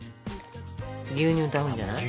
牛乳と合うんじゃない？